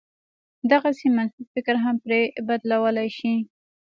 دغسې منفي فکر هم پرې بدلولای شي.